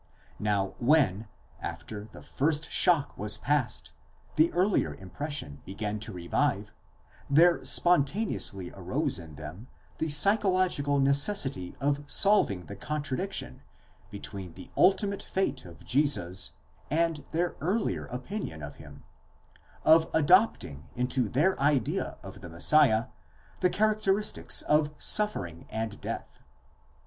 Now when, after the first shock was past, the earlier impression began to revive : there spontaneously arose in them the psychological necessity of solving the contradiction between the ultimate fate of Jesus and their earlier opinion of him — of adopting into their idea of the Messiah the characteristics of suffering and death.